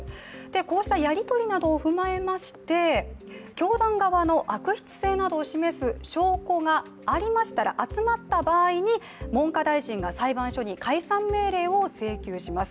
こうしたやりとりなどを踏まえまして、教団側の悪質性などを示す証拠がありましたら、集まった場合に文科大臣が裁判所に解散命令を請求します。